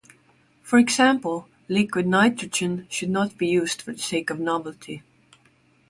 For example liquid nitrogen should not be used for the sake of novelty.